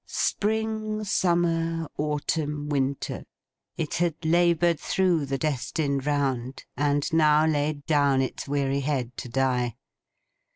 Spring, summer, autumn, winter. It had laboured through the destined round, and now laid down its weary head to die.